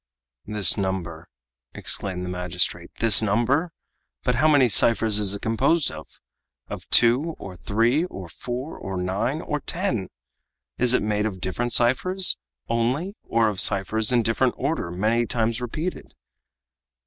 "This number," exclaimed the magistrate "this number? But how many ciphers is it composed of? Of two, or three, or four, or nine, or ten? Is it made of different ciphers only or of ciphers in different order many times repeated?